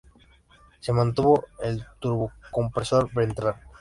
Se mantuvo el turbocompresor ventral.